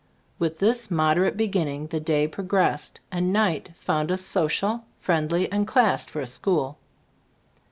With this moderate beginning the day pro gressed, and night found us social, friendly and classed for a school.